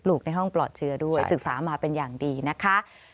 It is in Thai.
ในห้องปลอดเชื้อด้วยศึกษามาเป็นอย่างดีนะคะ